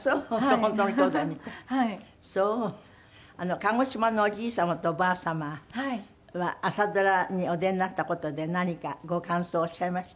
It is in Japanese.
鹿児島のおじい様とおばあ様は朝ドラにお出になった事で何かご感想をおっしゃいました？